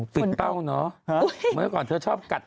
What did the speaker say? เป้าเนอะเมื่อก่อนเธอชอบกัด